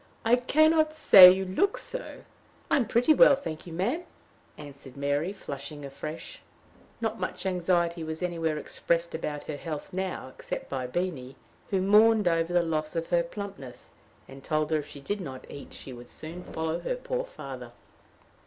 I can not say you look so." "I am pretty well, thank you, ma'am," answered Mary, flushing afresh: not much anxiety was anywhere expressed about her health now, except by Beenie, who mourned over the loss of her plumpness, and told her if she did not eat she would soon follow her poor father.